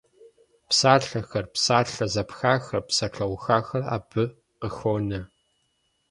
Псалъэхэр, псалъэ зэпхахэр, псалъэухахэр абы къыхонэ.